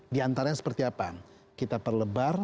di antara seperti apa